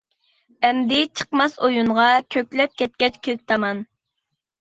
ئەمدى چىقماس ئويۇنغا، كۆكلەپ كەتكەچ كۆك تامان.